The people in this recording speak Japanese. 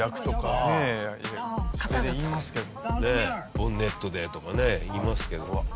ボンネットでとかね言いますけど。